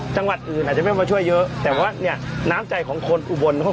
จังหวัดอื่นอาจจะไม่มาช่วยเยอะแต่ว่าเนี่ยน้ำใจของคนอุบลเขา